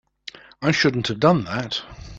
I shouldn't have done that.